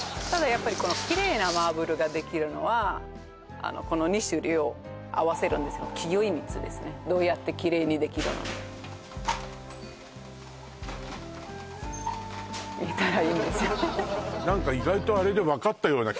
やっぱりこのキレイなマーブルができるのはこの２種類を合わせるんですけど企業秘密ですねどうやってキレイにできるのか見たらいいんですよね